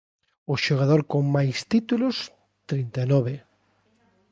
O xogador con máis títulos, trinta e nove.